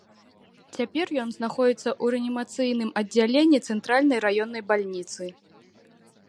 Цяпер ён знаходзіцца ў рэанімацыйным аддзяленні цэнтральнай раённай бальніцы.